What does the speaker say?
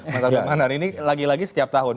masalah bagaimana ini lagi lagi setiap tahun